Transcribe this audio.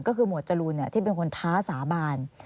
ก็คือหวดจรูนที่เป็นคนท้าสาบาน